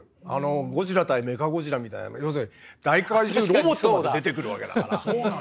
「ゴジラ対メカゴジラ」みたいな要するに大海獣ロボットまで出てくるわけだから。